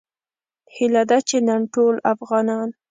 هیله ده چې نن ټول افغانان